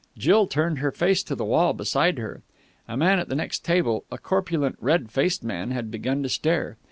Jill turned her face to the wall beside her. A man at the next table, a corpulent, red faced man, had begun to stare.